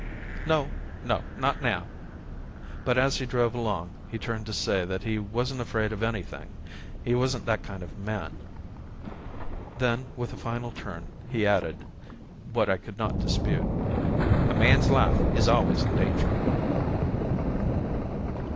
"No, no, not now." But as he drove along he turned to say that he wasn't afraid of any thing; he wasn't that kind of a man. Then, with a final turn, he added, what I could not dispute, "A man's life is always in danger."